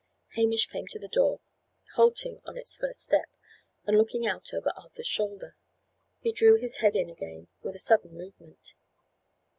Hamish came to the door, halting on its first step, and looking out over Arthur's shoulder. He drew his head in again with a sudden movement.